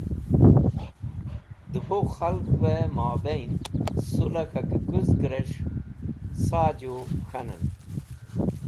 De Bu Khalgve Mobain Sulah K̃hake Kuzgres̃h Saaju Khanen